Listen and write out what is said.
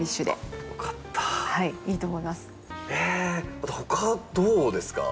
あと他どうですか？